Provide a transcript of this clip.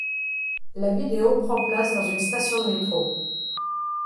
La vidéo prend place dans une station de métro.